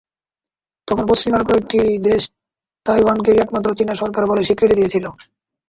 তখন পশ্চিমা কয়েকটি দেশ তাইওয়ানকেই একমাত্র চীনা সরকার বলে স্বীকৃতি দিয়েছিল।